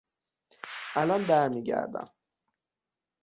الان برمیگردم.